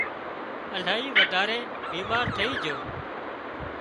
الاهي وڌاري بيمار ٿئي جھو